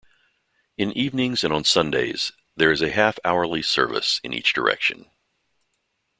In evenings and on Sundays there is a half-hourly service in each direction.